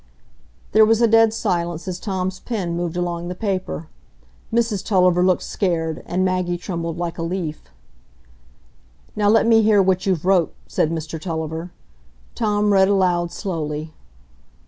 There was a dead silence as Tom's pen moved along the paper; Mrs Tulliver looked scared, and Maggie trembled like a leaf. "Now let me hear what you've wrote," said Mr Tulliver, Tom read aloud slowly.